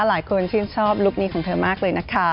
หลายคนชื่นชอบลุคนี้ของเธอมากเลยนะคะ